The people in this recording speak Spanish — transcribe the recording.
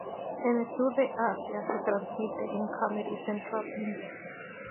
En el sur de Asia, se transmite en Comedy Central India.